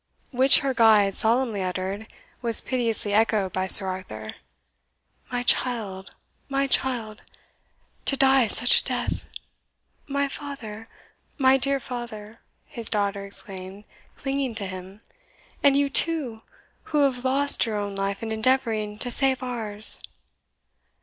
which her guide solemnly uttered, was piteously echoed by Sir Arthur "My child! my child! to die such a death!" "My father! my dear father!" his daughter exclaimed, clinging to him "and you too, who have lost your own life in endeavouring to save ours!"